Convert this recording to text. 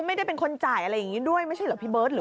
ไม่ได้เป็นคนจ่ายอะไรอย่างนี้ด้วยไม่ใช่เหรอพี่เบิร์ตหรือ